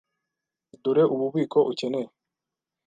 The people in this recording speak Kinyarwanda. Dore ububiko ukeneye.